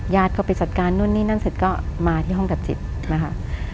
เข้าไปจัดการนู่นนี่นั่นเสร็จก็มาที่ห้องดับจิตนะคะ